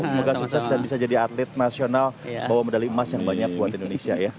semoga sukses dan bisa jadi atlet nasional bawa medali emas yang banyak buat indonesia ya